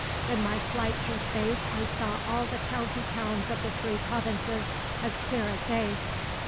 In my flight through space I saw all the county towns of the three provinces as clear as day.